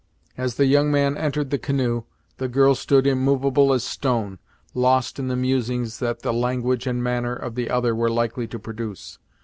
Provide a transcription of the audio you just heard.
As the young man entered the canoe, the girl stood immovable as stone, lost in the musings that the language and manner of the other were likely to produce.